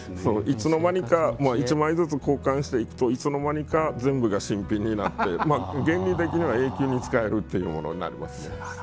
いつの間にか１枚ずつ交換していくといつの間にか全部が新品になって原理的には永久に使えるっていうものになりますね。